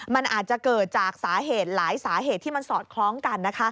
มันอาจจะเกิดจากสาเหตุหลายสาเหตุที่มันสอดคล้องกัน